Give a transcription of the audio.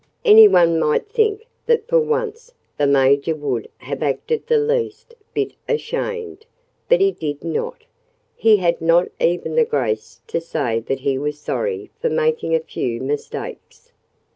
Anyone might think that for once the Major would have acted the least bit ashamed. But he did not. He had not even the grace to say that he was sorry for making a few "mistakes."